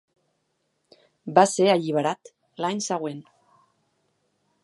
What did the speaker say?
Va ser alliberat l'any següent.